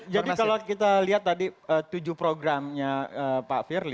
jadi kalau kita lihat tadi tujuh programnya pak firly